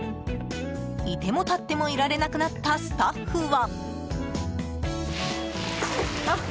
いても立ってもいられなくなったスタッフは。